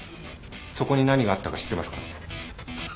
そこに何があったか知ってますか？